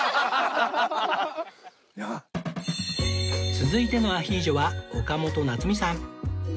続いてのアヒージョは岡本夏美さん